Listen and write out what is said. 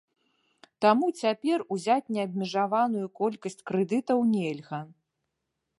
Таму цяпер узяць неабмежаваную колькасць крэдытаў нельга.